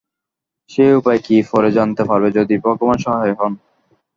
সে উপায় কি, পরে জানতে পারবে, যদি ভগবান সহায় হন।